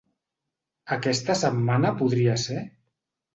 Aquesta setmana podria ser?